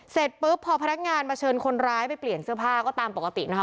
เสร็จปุ๊บพอพนักงานมาเชิญคนร้ายไปเปลี่ยนเสื้อผ้าก็ตามปกตินะคะ